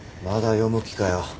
まだ読む気かよ。